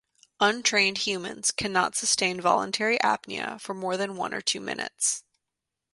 Untrained humans cannot sustain voluntary apnea for more than one or two minutes.